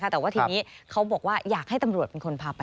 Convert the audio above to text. แต่ว่าทีนี้เขาบอกว่าอยากให้ตำรวจเป็นคนพาไป